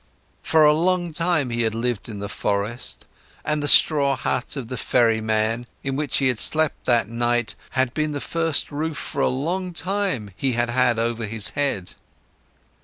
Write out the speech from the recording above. For a long time, he had lived in the forests, and the straw hut of the ferryman, in which he had slept that night, had been the first roof for a long time he had had over his head.